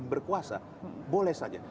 berkuasa boleh saja